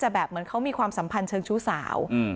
แบบเหมือนเขามีความสัมพันธ์เชิงชู้สาว